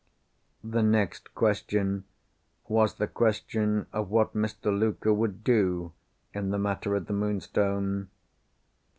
The next question, was the question of what Mr. Luker would do in the matter of the Moonstone.